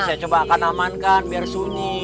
saya coba akan amankan biar sunyi